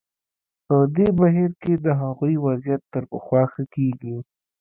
په دې بهیر کې د هغوی وضعیت تر پخوا ښه کېږي.